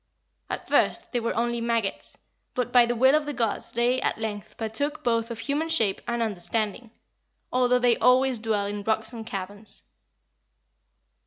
At first they were only maggots, but by the will of the gods they at length partook both of human shape and understanding, although they always dwell in rocks and caverns.